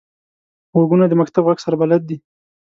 غوږونه د مکتب غږ سره بلد دي